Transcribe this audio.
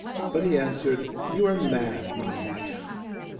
But he answered, 'You are mad, my wife.